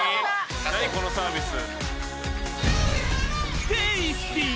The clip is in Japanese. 何このサービス。